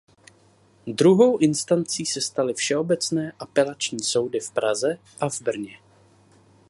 Druhou instancí se staly všeobecné apelační soudy v Praze a v Brně.